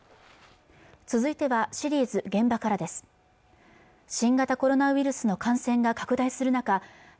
続いてはシリーズ現場からです新型コロナウイルスの感染が拡大する中